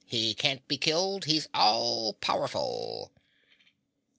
He can't be killed he's all powerful!"